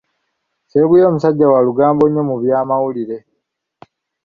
Sseguya musajja wa lugambo nnyo mu byamawulire.